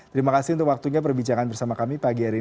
terima kasih untuk waktunya perbincangan bersama kami pagi hari ini